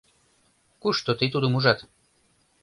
Кушто тый тудым ужат?